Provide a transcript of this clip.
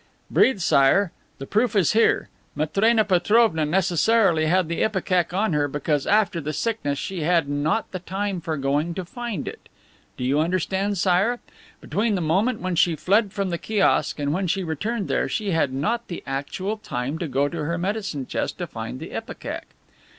"Breathe, Sire. The proof is here. Matrena Petrovna necessarily had the ipecac on her, because after the sickness she had not the time for going to find it. Do you understand, Sire? Between the moment when she fled from the kiosk and when she returned there, she had not the actual time to go to her medicine closet to find the ipecac."